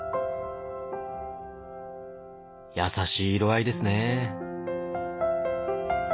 やさしい色合いですね。